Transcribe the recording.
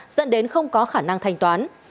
dẫn đến không có khả năng thanh toán